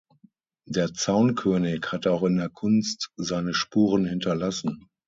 Der Zaunkönig hat auch in der Kunst seine Spuren hinterlassen.